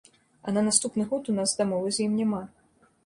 А на наступны год у нас дамовы з ім няма.